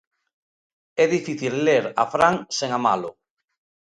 É difícil ler a Fran sen amalo.